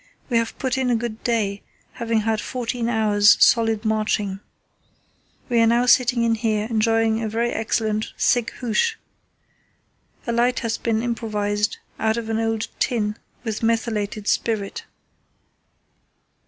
We have put in a good day, having had fourteen hours' solid marching. We are now sitting in here enjoying a very excellent thick hoosh. A light has been improvised out of an old tin with methylated spirit."